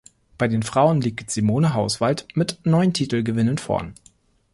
Bei den Frauen liegt Simone Hauswald mit neun Titelgewinnen vorn.